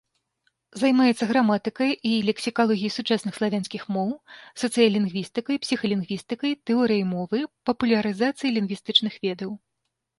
Займаецца граматыкай і лексікалогіяй сучасных славянскіх моў, сацыялінгвістыкай, псіхалінгвістыкай, тэорыяй мовы, папулярызацыяй лінгвістычных ведаў.